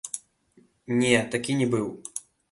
Не, такі не быў.